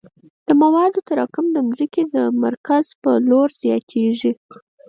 د موادو تراکم د ځمکې د مرکز په لور زیاتیږي